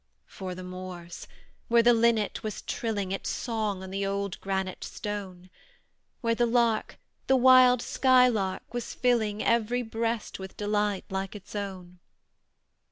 For the moors, where the linnet was trilling Its song on the old granite stone; Where the lark, the wild sky lark, was filling Every breast with delight like its own!